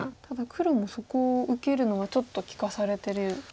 ただ黒もそこを受けるのはちょっと利かされてる。